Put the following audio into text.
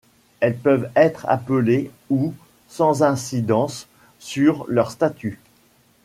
Elles peuvent être appelées ' ou ', sans incidence sur leur statut.